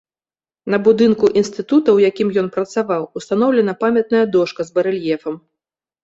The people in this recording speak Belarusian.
На будынку інстытута, у якім ён працаваў, устаноўлена памятная дошка з барэльефам.